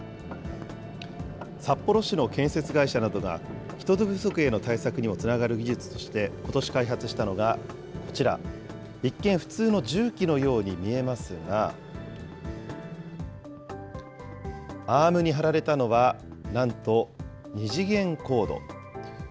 札幌市の建設会社などが人手不足への対策にもつながる技術としてことし開発したのがこちら、一見普通の重機のように見えますが、アームに貼られたのはなんと２次元コード。